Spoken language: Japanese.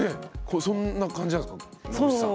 そんな感じなんですか野口さん。